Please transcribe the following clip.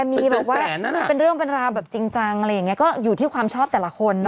มีแบบว่าเป็นเรื่องเป็นราวแบบจริงจังอะไรอย่างนี้ก็อยู่ที่ความชอบแต่ละคน